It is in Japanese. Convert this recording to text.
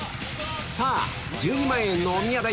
さぁ１２万円のおみや代